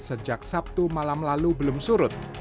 sejak sabtu malam lalu belum surut